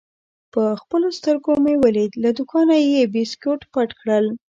په خپلو سترګو مې ولید: له دوکانه یې بیسکویټ پټ کړل.